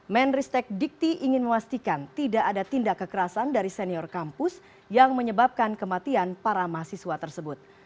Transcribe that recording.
menristek dikti ingin memastikan tidak ada tindak kekerasan dari senior kampus yang menyebabkan kematian para mahasiswa tersebut